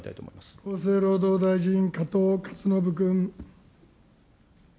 厚生労働大臣、加藤勝信君。